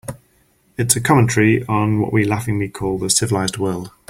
It's a commentary on what we laughingly call the civilized world.